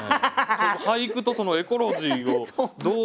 俳句とそのエコロジーをどう。